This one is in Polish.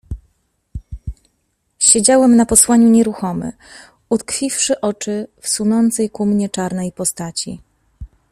"Siedziałem na posłaniu nieruchomy, utkwiwszy oczy w sunącej ku mnie czarnej postaci."